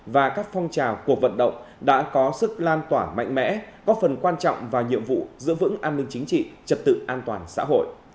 và các phong trào cuộc vận động đã có sức lan tỏa mạnh mẽ có phần quan trọng vào nhiệm vụ giữ vững an ninh chính trị trật tự an toàn xã hội